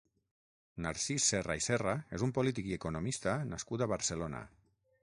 Narcís Serra i Serra és un polític i economista nascut a Barcelona.